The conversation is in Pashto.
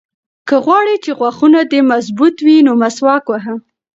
که غواړې چې غاښونه دې مضبوط وي نو مسواک وهه.